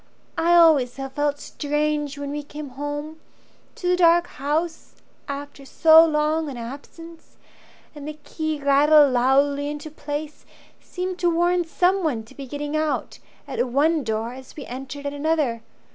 I always have felt strange when we came home To the dark house after so long an absence, And the key rattled loudly into place Seemed to warn someone to be getting out At one door as we entered at another.